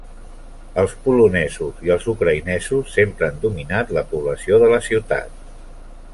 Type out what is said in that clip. Els polonesos i els ucraïnesos sempre han dominat la població de la ciutat.